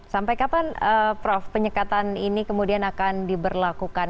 sampai kapan prof penyekatan ini kemudian akan diberlakukan